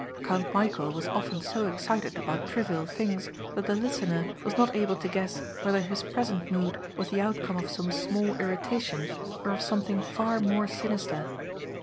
Count Michæl was often so excited about trivial things that the listener was not able to guess whether his present mood was the outcome of some small irritation or of something far more sinister.